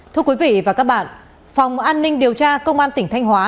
thưa quý vị và các bạn phòng an ninh điều tra công an tỉnh thanh hóa